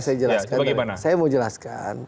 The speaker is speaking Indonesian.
saya mau jelaskan